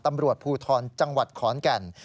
ตำรวจภูทรจังหวัดขอนแก่น